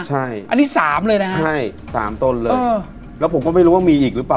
ใช่อันนี้๓เลยนะฮะใช่สามต้นเลยแล้วผมก็ไม่รู้ว่ามีอีกหรือเปล่า